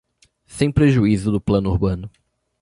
Sem prejuízo do plano urbano